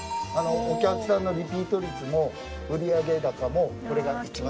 お客さんのリピート率も売上高もこれが一番。